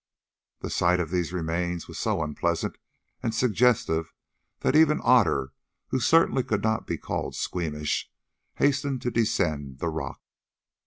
The sight of these remains was so unpleasant and suggestive that even Otter, who certainly could not be called squeamish, hastened to descend the rock.